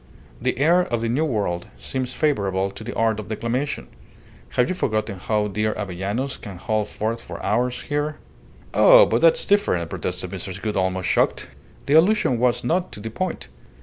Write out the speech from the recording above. The air of the New World seems favourable to the art of declamation. Have you forgotten how dear Avellanos can hold forth for hours here ?" "Oh, but that's different," protested Mrs. Gould, almost shocked. The allusion was not to the point.